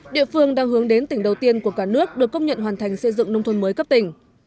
địa phương đang hướng đến tỉnh đầu tiên của cả nước được công nhận hoàn thành xây dựng nông thôn mới cấp tỉnh